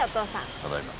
ただいま